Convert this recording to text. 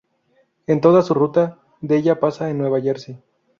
En toda su ruta, de ella pasa en Nueva Jersey.